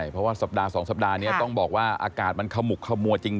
เพราะว่าสัปดาห์๒สัปดาห์นี้ต้องบอกว่าอากาศมันขมุกขมัวจริง